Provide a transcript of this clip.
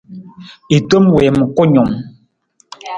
I tom wiim kunung.